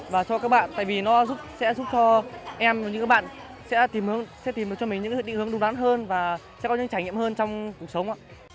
và cho các bạn tại vì nó sẽ giúp cho em và những bạn sẽ tìm được cho mình những hướng đúng đắn hơn và sẽ có những trải nghiệm hơn trong cuộc sống